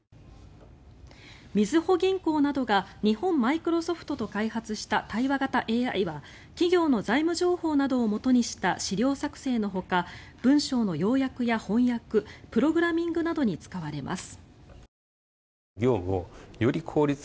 みずほ銀行などが日本マイクロソフトと開発した対話型ＡＩは企業の財務情報などをもとにした資料作成のほか文章の要約や翻訳プログラミングなどに使われます。